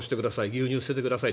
牛乳、捨ててください